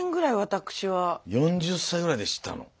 ４０歳ぐらいで知ったの？